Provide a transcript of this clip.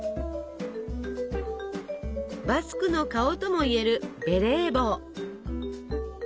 バスクの顔ともいえるベレー帽。